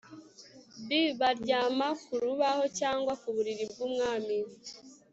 B Baryama ku rubaho cyangwa ku buriri bwumwami